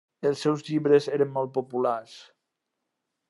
Els seus llibres eren molt populars.